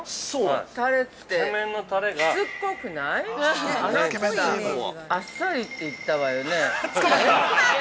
あなた、あっさりって言ったわよね。